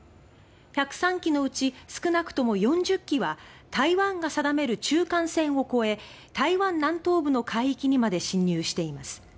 １０３機のうち少なくとも４０機は台湾が定める中間線を超え台湾南東部の海域にまで進入しています。